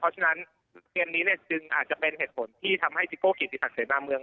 เพราะฉะนั้นเกมนี้เนี่ยจึงอาจจะเป็นเหตุผลที่ทำให้ซิโก้เกียรติศักดิเสนาเมือง